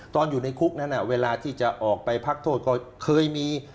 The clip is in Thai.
อยู่ในคุกนั้นเวลาที่จะออกไปพักโทษก็เคยมี